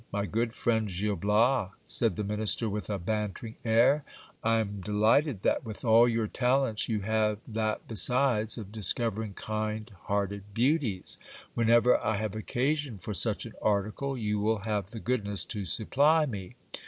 My good friend Gil Bias, said the minister with a bantering air, I am delighted that with all your talents you have that besides of discovering kind hearted beauties ; whenever I have occasion for such an article, you will have the goodness to supply me.